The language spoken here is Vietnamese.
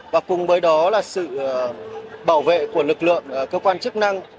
và cùng với đó là sự bảo vệ của lực lượng cơ quan chức năng